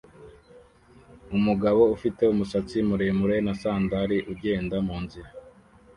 Umugabo ufite umusatsi muremure na sandali ugenda munzira